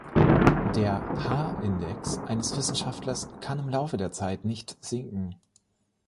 Der "h"-Index eines Wissenschaftlers kann im Laufe der Zeit nicht sinken.